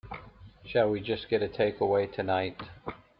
Shall we just get a takeaway tonight?